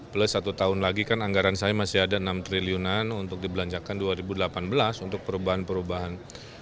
plus satu tahun lagi kan anggaran saya masih ada enam triliunan untuk dibelanjakan dua ribu delapan belas untuk perubahan perubahan